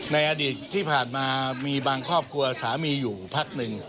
ในอดีตที่ผ่านมามีบางครอบครัวสามีอยู่พักหนึ่ง